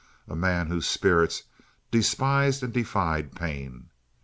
A man whose spirits despised and defied pain.